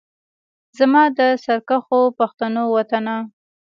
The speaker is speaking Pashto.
زما د سرکښو پښتنو وطنه